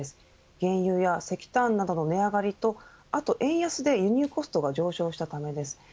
原油や石炭などの値上がりとあと円安で輸入コストが上昇したためです。